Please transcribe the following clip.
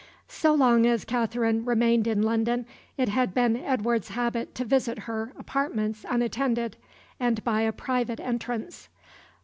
So long as Katherine remained in London it had been Edward's habit to visit her apartments unattended, and by a private entrance.